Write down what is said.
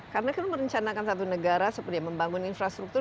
karena kan merencanakan satu negara seperti membangun infrastruktur